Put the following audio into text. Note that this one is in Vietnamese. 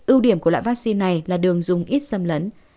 ưu điểm của loại vaccine này là đường dùng ít xâm lấn